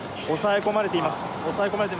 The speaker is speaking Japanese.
押さえ込まれています。